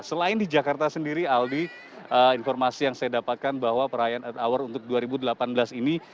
selain di jakarta sendiri aldi informasi yang saya dapatkan bahwa perayaan earth hour untuk dua ribu delapan belas ini